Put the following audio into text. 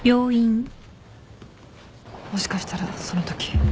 もしかしたらそのとき。